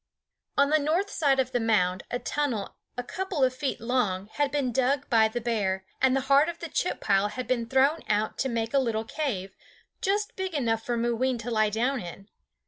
On the north side of the mound a tunnel a couple of feet long had been dug by the bear, and the heart of the chip pile had been thrown out to make a little cave, just big enough for Mooween to lie down in.